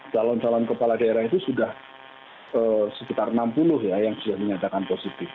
calon calon kepala daerah itu sudah sekitar enam puluh ya yang sudah dinyatakan positif